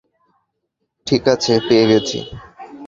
ঠিকাছে, পেয়ে গেছি।